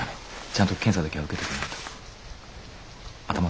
ちゃんと検査だけは受けとかないと。